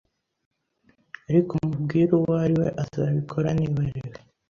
Ariko umubwire uwo wari we Azabikora niba ari we